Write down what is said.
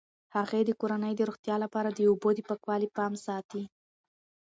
هغې د کورنۍ د روغتیا لپاره د اوبو د پاکوالي پام ساتي.